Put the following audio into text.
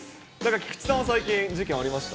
菊池さんは最近、事件ありました？